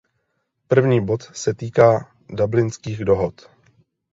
První bod se týká dublinských dohod.